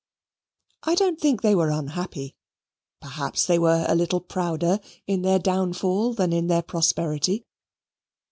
I don't think they were unhappy. Perhaps they were a little prouder in their downfall than in their prosperity.